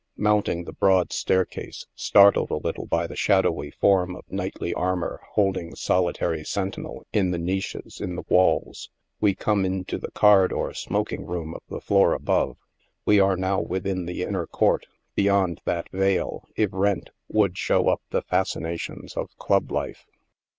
Mounting the broad stair case, startled a little by the shadowy form of knightly armor hold ing solitary sentinel in the niches in the walls, we come into the card or smoking room of the floor above. We are now within the inner court — beyond that veil, if rent, would show up the fascina tions of club life.